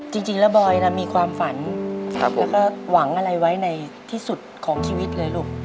จริงแล้วบอยมีความฝันแล้วก็หวังอะไรไว้ในที่สุดของชีวิตเลยลูก